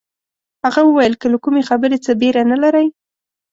هغه وویل که له کومې خبرې څه بېره نه لرئ.